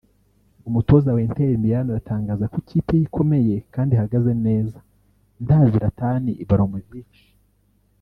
umutoza wa Inter Milan aratangaza ko ikipe ye ikomeye kandi ihagaze neza nta Zlatan Ibrahimovic